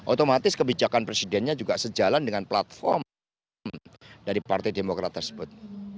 otomatis kebijakan presidennya juga sejalan dengan platform dari partai demokrat tersebut